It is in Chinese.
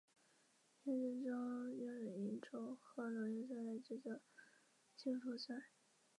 不少阿尔巴尼亚族人和一些马其顿族人改信伊斯兰教。